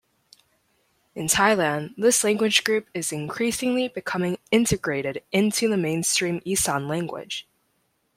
In Thailand this language group is increasingly becoming integrated into the mainstream Isan language.